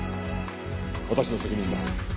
私の責任だ。